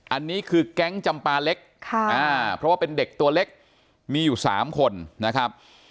อันนี้คือแก๊งจำปาเล็กเพราะว่าเป็นเด็กตัวเล็กมีอยู่๓คนนะครับ